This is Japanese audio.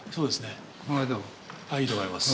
いいと思います。